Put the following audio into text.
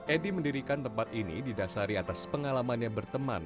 edi mendirikan tempat ini didasari atas pengalamannya berteman